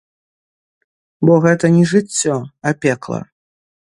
Бо гэта не жыццё, а пекла.